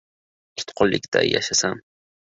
Tutqunlikda yashasam